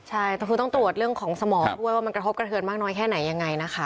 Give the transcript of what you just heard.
ใช่แต่คือต้องตรวจเรื่องของสมองด้วยว่ามันกระทบกระเทือนมากน้อยแค่ไหนยังไงนะคะ